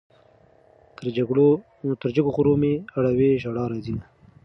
تر جګو غرو مې اړوي ژړا راځينه